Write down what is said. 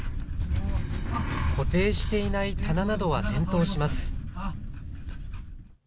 固定していない棚などは転倒します。